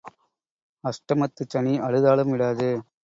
அஷ்டமத்துச் சனி அழுதாலும் விடாது.